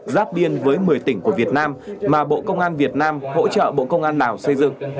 giáp biên với một mươi tỉnh của việt nam mà bộ công an việt nam hỗ trợ bộ công an lào xây dựng